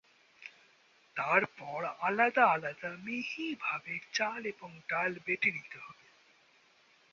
তার পর আলাদা আলাদা মিহি ভাবে চাল এবং ডাল বেটে নিতে হবে।